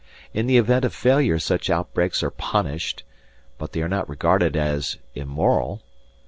In the event of failure such outbreaks are punished, but they are not regarded as immoral.